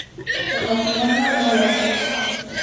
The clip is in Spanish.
El matrimonio tiene dos hijas.